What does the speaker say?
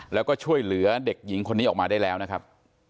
แล้วก็ช่วยเหลือเด็กหญิงคนนี้ออกมาได้แล้วนะครับ